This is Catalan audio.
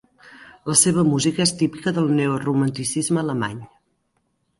La seva música és típica del neoromanticisme alemany.